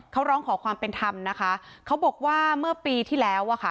เขาร้องขอความเป็นธรรมนะคะเขาบอกว่าเมื่อปีที่แล้วอ่ะค่ะ